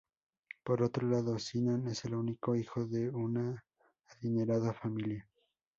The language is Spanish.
Por otro lado, Sinan es el único hijo de una adinerada familia.